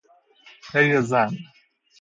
پی زن